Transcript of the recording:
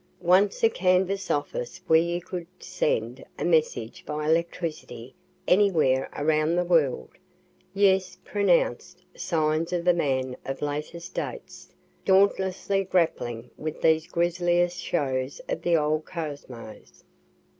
Once, a canvas office where you could send a message by electricity anywhere around the world! Yes, pronounc'd signs of the man of latest dates, dauntlessly grappling with these grisliest shows of the old kosmos.